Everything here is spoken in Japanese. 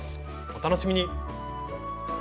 お楽しみに。